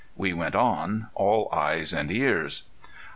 We went on, all eyes and ears.